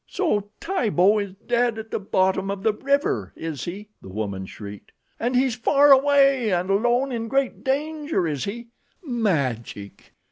"So my Tibo is dead at the bottom of the river, is he?" the woman shrieked. "And he's far away and alone and in great danger, is he? Magic!"